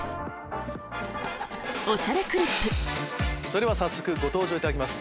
それではご登場いただきます。